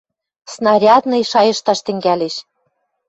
Снарядный шайышташ тӹнгӓлеш. —